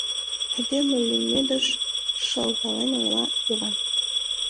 Айдеме лӱмедыш, — шылтален ойла Йыван.